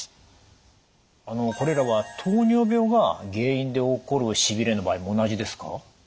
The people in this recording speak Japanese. これらは糖尿病が原因で起こるしびれの場合も同じですか？